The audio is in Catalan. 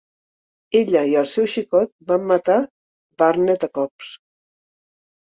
Ella i el seu xicot van matar Barnett a cops.